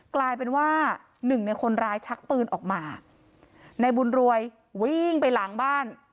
กลายเป็นว่าหนึ่งในคนร้ายชักปืนออกมาในบุญรวยวิ่งไปหลังบ้าน